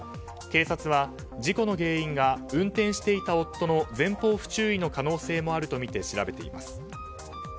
警察は事故の原因が運転していた夫の前方不中の可能性もあるとみて調べています。